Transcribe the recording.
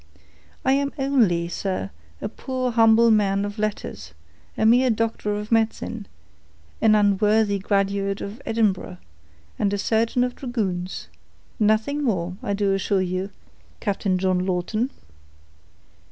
I am only, sir, a poor humble man of letters, a mere doctor of medicine, an unworthy graduate of Edinburgh, and a surgeon of dragoons; nothing more, I do assure you, Captain John Lawton."